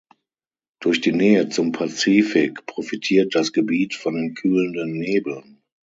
Durch die Nähe zum Pazifik profitiert das Gebiet von den kühlenden Nebeln.